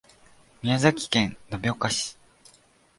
宮崎県延岡市